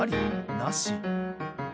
なし？